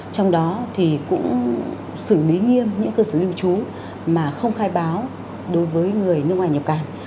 trong đó thì cũng xử lý nghiêm những cơ sở lưu trú mà không khai báo đối với người nước ngoài nhập cảnh